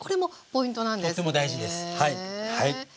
とても大事ですはい。